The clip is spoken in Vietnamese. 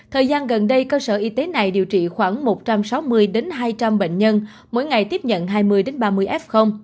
thời gian gần đây cơ sở y tế này điều trị khoảng một trăm sáu mươi hai trăm linh bệnh nhân mỗi ngày tiếp nhận hai mươi ba mươi f